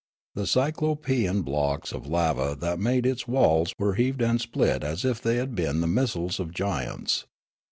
The Cyclopean blocks of lava that made its walls were heaved and split as if they had been the missiles of giants.